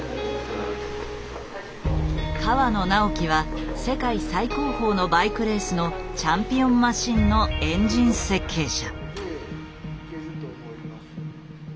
河野直樹は世界最高峰のバイクレースのチャンピオンマシンのエンジン設計者。